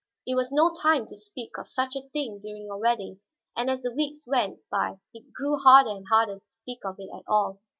It was no time to speak of such a thing during your wedding, and as the weeks went by it grew harder and harder to speak of it at all.